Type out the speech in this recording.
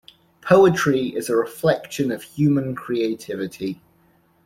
Poetry is a reflection of human creativity.